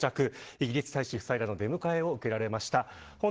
イギリス大使夫妻らの出迎えを受けられました。